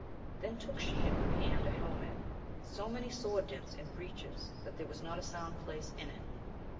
Then took she in her hand a hel< met, with so many sword dints and breaches that there was not a sound place in it.